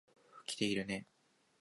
来ているね。